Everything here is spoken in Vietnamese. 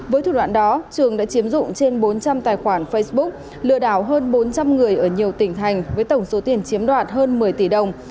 với thủ đoạn đó trường đã chiếm dụng trên bốn trăm linh tài khoản facebook lừa đảo hơn bốn trăm linh người ở nhiều tỉnh thành với tổng số tiền chiếm đoạt hơn một mươi tỷ đồng